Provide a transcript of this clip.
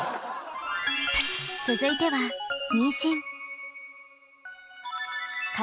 続いては妊娠。